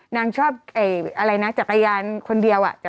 นางชอบอะไรนะจักรยานคนเดียว